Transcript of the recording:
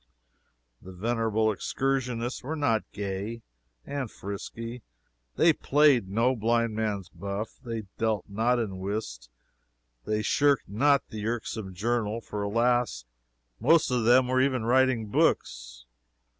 The venerable excursionists were not gay and frisky. They played no blind man's buff; they dealt not in whist; they shirked not the irksome journal, for alas! most of them were even writing books.